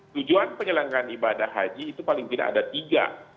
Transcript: tujuan penyelenggaraan ibadah haji itu paling tidak ada tiga